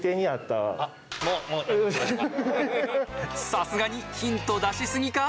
さすがにヒント出しすぎか？